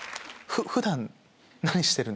普段。